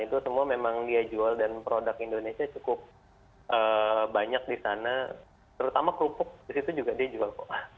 itu semua memang dia jual dan produk indonesia cukup banyak di sana terutama kerupuk di situ juga dia jual